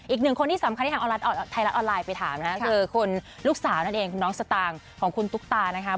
อีกหนึ่งคนที่สำคัญที่ทางไทยรัฐออนไลน์ไปถามนะคะคือคุณลูกสาวนั่นเองคุณน้องสตางค์ของคุณตุ๊กตานะคะ